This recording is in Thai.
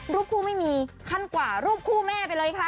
รูปคู่ไม่มีขั้นกว่ารูปคู่แม่ไปเลยค่ะ